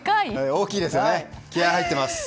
大きいですよね。